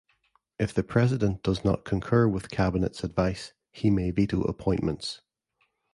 If the President does not concur with Cabinet's advice, he may veto appointments.